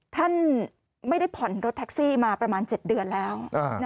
ท่านไม่ได้ผ่อนรถแท็กซี่มาประมาณ๗เดือนแล้ว